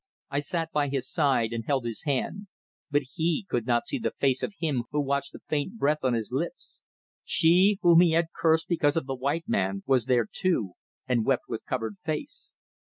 I sat by his side and held his hand, but he could not see the face of him who watched the faint breath on his lips. She, whom he had cursed because of the white man, was there too, and wept with covered face.